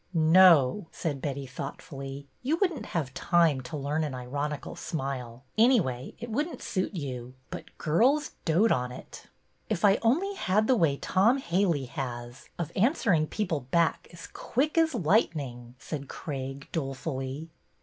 " No," said Betty, thoughtfully, " you would n't have time to learn an ironical smile. Anyway, it would n't suit you. But girls dote on it." " If I only had the way Tom Hailly has, of answering people back as quick as lightning !" said Craig, dolefully.